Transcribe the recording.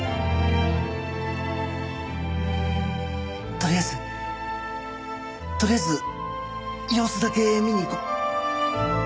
とりあえずとりあえず様子だけ見に行こう。